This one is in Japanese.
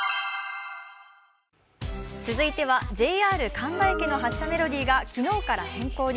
続いては、ＪＲ神田駅の発車メロディーが昨日から変更に。